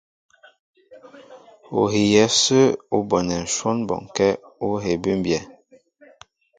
Ú hiyɛ ásə̄ ú bonɛ́ ǹshwɔ́n bɔnkɛ́ ú hēē bʉ́mbyɛ́.